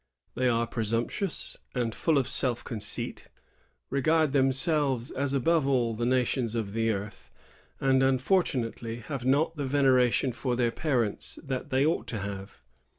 They are presumptuous and full of self conceit, regard themselves as above all the nations of the earth, and, unfortunately, liave not the veneration for their parents that they ought to have.